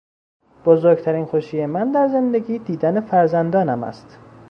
بزرگترین خوشی من در زندگی دیدن فرزندانم است.